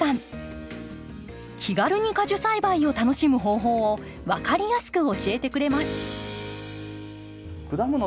気軽に果樹栽培を楽しむ方法を分かりやすく教えてくれます。